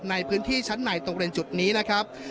ในพื้นที่ชั้นในตรงเรียนจุดนี้นะครับ